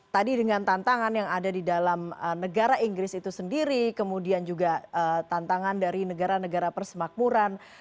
tadi dengan tantangan yang ada di dalam negara inggris itu sendiri kemudian juga tantangan dari negara negara persemakmuran